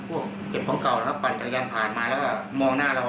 พวกเก็บของเก่านะครับปั่นจักรยานผ่านมาแล้วก็มองหน้าเรา